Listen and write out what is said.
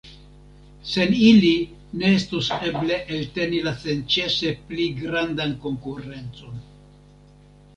Sen ili ne estos eble elteni la senĉese pli grandan konkurencon.